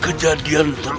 kau tidak bisa menang